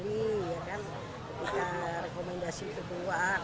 kita rekomendasi kedua